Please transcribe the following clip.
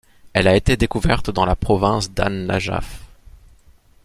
Elle a été découverte dans la province d'An-Najaf.